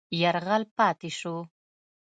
یرغل پاتې شو.